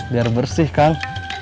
biar bersih kang